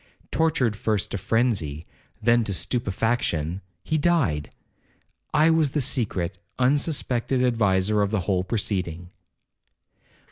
Tortured first to phrenzy, then to stupefaction,—he died! I was the secret, unsuspected adviser of the whole proceeding.'